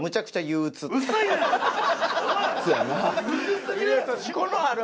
「そうやな」